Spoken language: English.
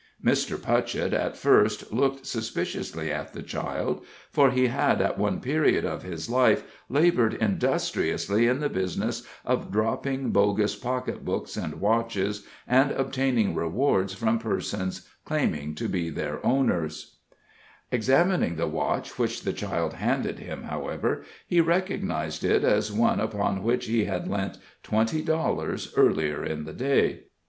Mr. Putchett at first looked suspiciously at the child, for he had at one period of his life labored industriously in the business of dropping bogus pocketbooks and watches, and obtaining rewards from persons claiming to be their owners. [Illustration: MR. PUTCHETT'S NEW FRIEND.] Examining the watch which the child handed him, however, he recognized it as one upon which he had lent twenty dollars earlier in the day.